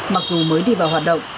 mặc dù mới đi vào hoạt động